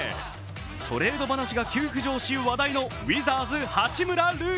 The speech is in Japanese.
トレード話が急浮上し話題のウィザーズ・八村塁。